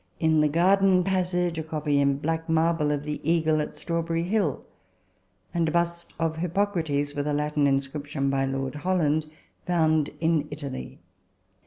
In the garden passage a copy in black marble of the Eagle at Strawberry hill ; and a bust of Hippocrates, with a Latin inscription by Lord Holland, found in Italy.